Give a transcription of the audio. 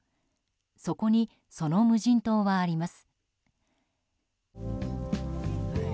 そこに、その無人島はあります。